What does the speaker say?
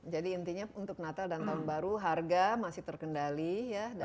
jadi intinya untuk natal dan tahun baru harga masih terkendali ya